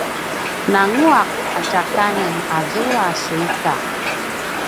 nangua’ a tja kanen azua a suika!